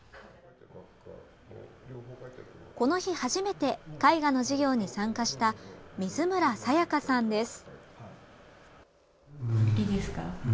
この日、初めて絵画の授業に参加した水村清夏さんです。